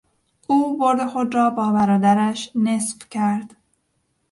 او برد خود را با برادرش نصف کرد.